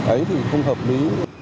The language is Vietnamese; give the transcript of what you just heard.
ấy thì không hợp lý